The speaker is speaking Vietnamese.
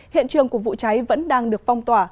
hiện trường của vụ cháy vẫn đang được phong tỏa